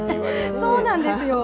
そうなんですよ。